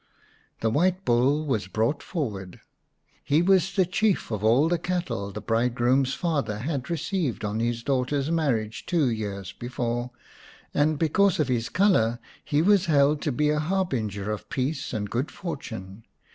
The white bull was brought forward. He was the chief of all the cattle the bridegroom's father had received on his daughter's marriage two years before, and because of his colour he was held to be a harbinger of peace and good fortune.